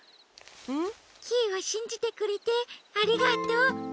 んっ？キイをしんじてくれてありがとう。